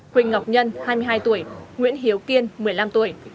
huỳnh ngọc nhân hai mươi hai tuổi nguyễn hiếu kiên một mươi năm tuổi